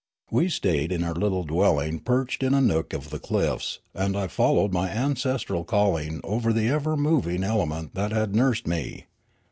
We stayed in our little dwelling perched in a nook of the cliffs, and I followed my ancestral calling over the ever moving element that had nursed me.